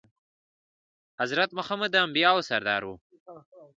حضرت محمد د انبياوو سردار وو.